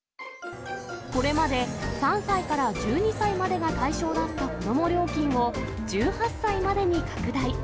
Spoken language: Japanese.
これまで３歳から１２歳までが対象だった子ども料金を、１８歳までに拡大。